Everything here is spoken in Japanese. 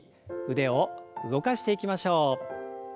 腕を動かしていきましょう。